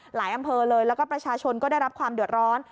อำเภอเลยแล้วก็ประชาชนก็ได้รับความเดือดร้อน